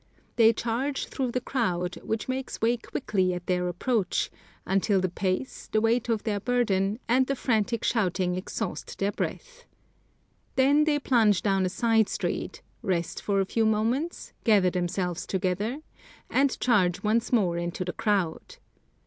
They charge through the crowd, which makes way quickly at their approach, until the pace, the weight of their burden, and the frantic shouting exhaust their breath. Then they plunge down a side street, rest for a few moments, gather themselves together, and charge once more into the crowd.